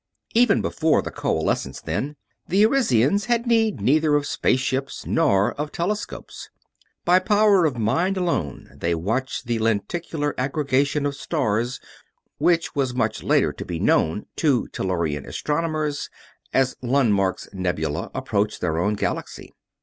Even before the Coalescence, then, the Arisians had need neither of space ships nor of telescopes. By power of mind alone they watched the lenticular aggregation of stars which was much later to be known to Tellurian astronomers as Lundmark's Nebula approach their own galaxy.